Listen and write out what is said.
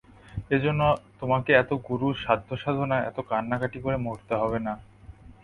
এজন্যে তোমাকে এত গুরুর সাধ্যসাধনা, এত কান্নাকাটি করে মরতে হবে না।